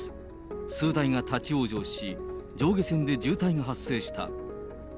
数台が立往生し、上下線で渋滞が発生した。